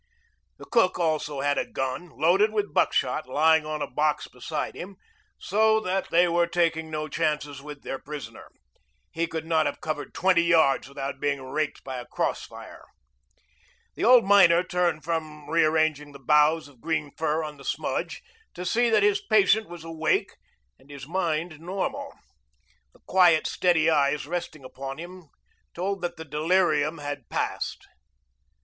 The cook also had a gun, loaded with buckshot, lying on a box beside him, so that they were taking no chances with their prisoner. He could not have covered twenty yards without being raked by a cross fire. The old miner turned from rearranging the boughs of green fir on the smudge to see that his patient was awake and his mind normal. The quiet, steady eyes resting upon him told that the delirium had passed.